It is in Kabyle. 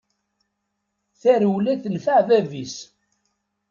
Tarewla tenfeɛ bab-is.